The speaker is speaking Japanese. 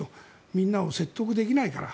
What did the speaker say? みんなを説得できないから。